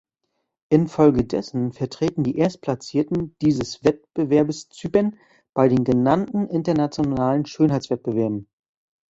Infolgedessen vertreten die Erstplatzierten "dieses" Wettbewerbes Zypern bei den genannten internationalen Schönheitswettbewerben.